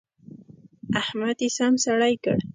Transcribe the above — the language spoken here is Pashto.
احمد يې سم سړی کړ.